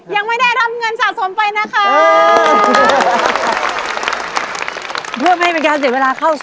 ยังไม่ได้รับเงินสะสมไปนะคะ